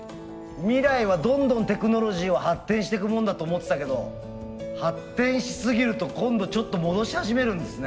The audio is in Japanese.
未来はどんどんテクノロジーを発展してくもんだと思ってたけど発展しすぎると今度ちょっと戻し始めるんですね。